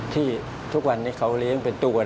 ทุกวันนี้เขาเลี้ยงเป็นตัว